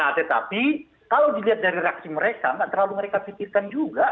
nah tetapi kalau dilihat dari reaksi mereka nggak terlalu mereka titipkan juga